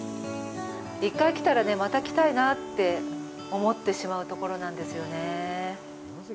一回来たら、また来たいなって思ってしまうところなんですよね。